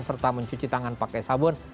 serta mencuci tangan pakai sabun